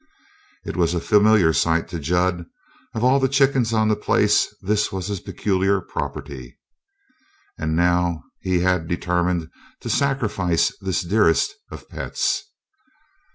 It was a familiar sight to Jud. Of all the chickens on the place this was his peculiar property. And now he had determined to sacrifice this dearest of pets.